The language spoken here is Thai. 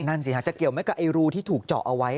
นั่นสิฮะจะเกี่ยวไหมกับไอ้รูที่ถูกเจาะเอาไว้